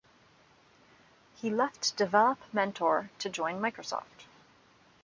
He left DevelopMentor to join Microsoft.